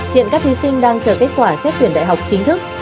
hiện các thí sinh đang chờ kết quả xét tuyển đại học chính thức